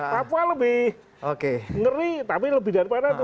papua lebih ngeri tapi lebih daripada itu